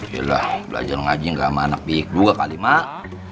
biarlah belajar ngaji nggak sama anak bidik juga kali mak